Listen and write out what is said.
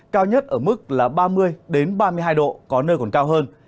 cao nhất ở mức là ba mươi ba mươi hai độ có nơi còn cao hơn